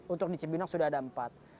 untuk di cibinong sudah ada empat